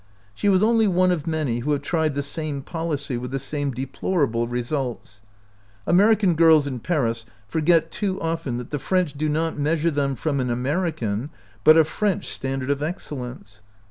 She was only one of many who have tried the same policy with the same deplorable results. American girls in Paris forget too often that the French do not measure them from an American, but a French, standard of excellence.